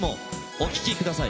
お聴きください。